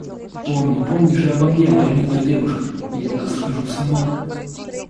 Помни, помни же обо мне, моя милая девушка: я схожу с ума.